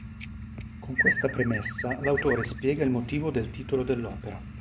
Con questa premessa l'autore spiega il motivo del titolo dell'opera.